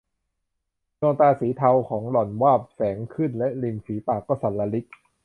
ดวงตาสีเทาของหล่อนวาบแสงขึ้นและริมปีฝากก็สั่นระริก